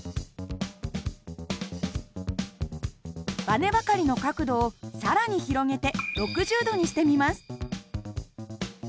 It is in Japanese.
ばねばかりの角度を更に広げて６０度にしてみます。